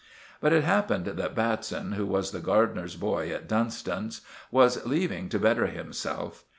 But it happened that Batson, who was the gardener's boy at Dunstan's, was leaving to better himself.